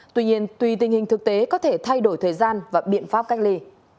tuy nhiên tùy tình hình thực tế có thể thay đổi thời gian và biện pháp cách ly